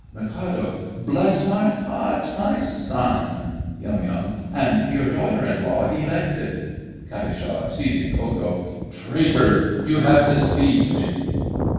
MIK. Bless my heart, my son! YUM. And your daughter in law elected! KAT. (seizing Ko Ko). Traitor, you have deceived me!